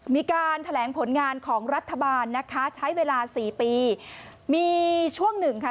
มีการแถลงผลงานของรัฐบาลนะคะใช้เวลาสี่ปีมีช่วงหนึ่งค่ะ